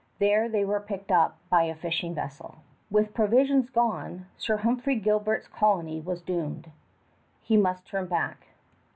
There they were picked up by a fishing vessel. With provisions gone, Sir Humphrey Gilbert's colony was doomed. He must turn back.